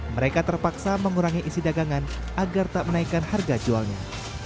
mereka terpaksa mengurangi isi dagangan agar tak menaikkan harga jualnya